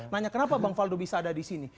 nanya kenapa bang faldo bisa ada di sini